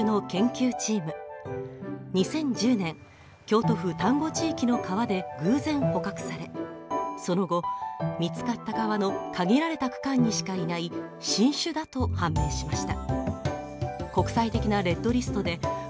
見つけたのは近畿大学北川忠生教授の研究チーム２０１０年京都府丹後地域の川で偶然捕獲され、その後見つかった川の限られた区間にしかいない新種だと判明しました。